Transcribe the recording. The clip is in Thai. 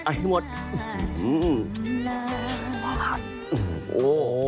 โอ้โฮ